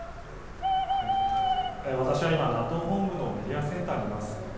私は今ＮＡＴＯ本部のメディアセンターにいます。